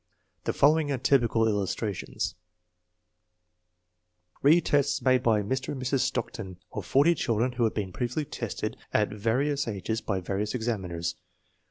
The following are typical illustrations : Re tests were made by Mir. and Mrs. Stockton of forty children who had been previously tested at vari ous ages by various examiners.